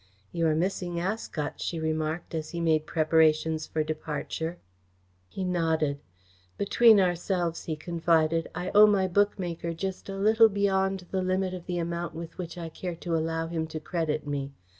"You are missing Ascot," she remarked, as he made preparations for departure. He nodded. "Between ourselves," he confided, "I owe my bookmaker just a little beyond the limit of the amount with which I care to allow him to credit me.